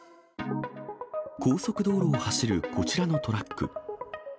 高速道路を走るこちらのトラック。